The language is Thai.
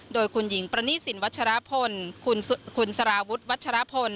โดยคุณหญิงปรณีสินวัชจารณ์พลคุณสาราวุฒร์วัชจารณ์พล